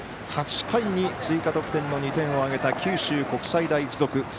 ８回に追加得点の２回を挙げた九州国際大付属。